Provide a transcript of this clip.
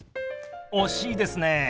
惜しいですね。